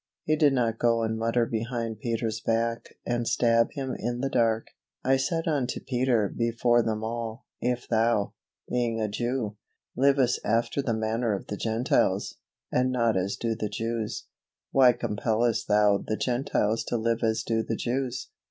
He did not go and mutter behind Peter's back and stab him in the dark "I said unto Peter before them all, If thou, being a Jew, livest after the manner of the Gentiles, and not as do the Jews, why compellest thou the Gentiles to live as do the Jews?